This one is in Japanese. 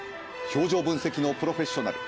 表情分析のプロフェッショナル